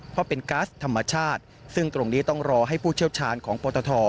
เพราะเป็นก๊าซธรรมชาติซึ่งตรงนี้ต้องรอให้ผู้เชี่ยวชาญของปตท